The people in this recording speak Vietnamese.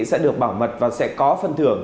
sẽ được bảo mật và sẽ có phân thưởng